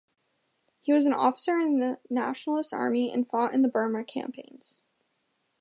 He was an officer in the Nationalist army and fought in the Burma campaigns.